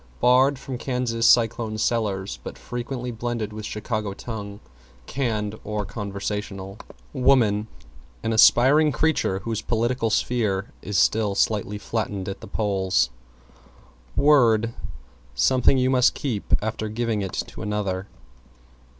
Barred from Kansas Cyclone cellars but frequently blended with Chicago tongue canned or conversational. =WOMAN= An aspiring creature whose political sphere is still slightly flattened at the polls. =WORD= Something you must keep after giving it to another.